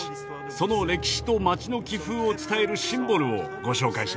その歴史と街の気風を伝えるシンボルをご紹介しましょう。